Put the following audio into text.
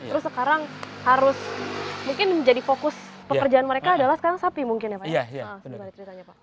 terus sekarang harus mungkin menjadi fokus pekerjaan mereka adalah sekarang sapi mungkin ya pak ya